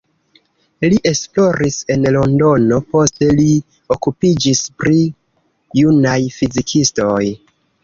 Li esploris en Londono, poste li okupiĝis pri junaj fizikistoj.